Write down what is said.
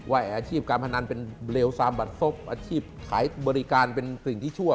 อาชีพการพนันเป็นเลวซามบัตรซบอาชีพขายบริการเป็นสิ่งที่ชั่ว